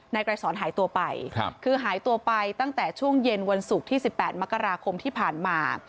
ไกรสอนหายตัวไปคือหายตัวไปตั้งแต่ช่วงเย็นวันศุกร์ที่๑๘มกราคมที่ผ่านมา